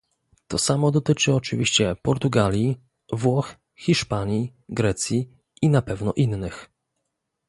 To samo dotyczy oczywiście Portugalii, Włoch, Hiszpanii, Grecji i na pewno innych